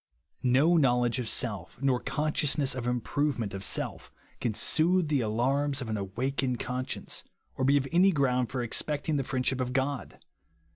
No knowledge of self, nor consciousness of improvement of self, can soothe the alarms of an awakened conscience, or be any ground for expecting the friendship of God.